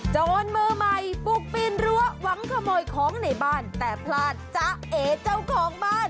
โจรมือใหม่ปลุกปีนรั้วหวังขโมยของในบ้านแต่พลาดจ๊ะเอเจ้าของบ้าน